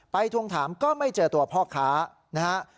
ทวงถามก็ไม่เจอตัวพ่อค้านะฮะ